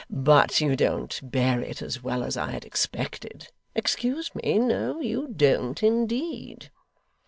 But you don't bear it as well as I had expected excuse me no, you don't indeed.